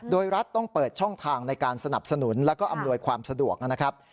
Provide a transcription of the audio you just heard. โดยรัฐต้องเปิดช่องทางในการสนับสนุนแล้วก็อำนวยความสะดวกนะครับ